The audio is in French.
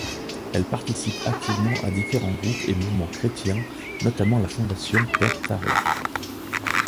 Elle participe activement à différents groupes et mouvements chrétiens, notamment la Fondation Pere Tarrés.